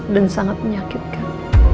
dan sangat menyakitkan